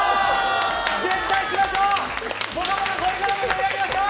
絶対しましょう！